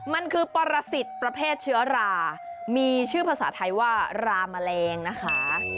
มันคือปรสิทธิ์ประเภทเชื้อรามีชื่อภาษาไทยว่าราแมลงนะคะ